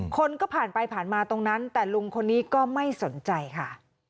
คนก็ผ่านไปผ่านมาตรงนั้นแต่ลุงคนนี้ก็ไม่สนใจค่ะ